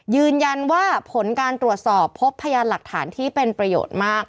ยืนยันว่าผลการตรวจสอบพบพยานหลักฐานที่เป็นประโยชน์มาก